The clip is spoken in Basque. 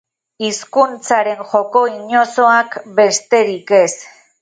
Hizkuntzaren joko inozoak, besterik ez.